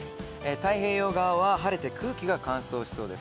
太平洋側は晴れて空気が乾燥しそうです。